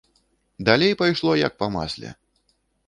Далей пайшло як па масле.